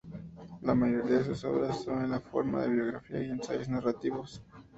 La mayoría de sus obras son en la forma de biografía y ensayos narrativos.